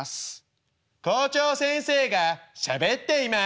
「校長先生がしゃべっています」。